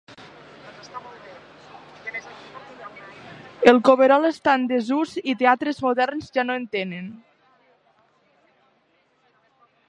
El coverol està en desús i teatres moderns ja no en tenen.